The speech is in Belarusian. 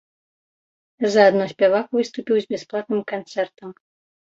Заадно спявак выступіў з бясплатным канцэртам.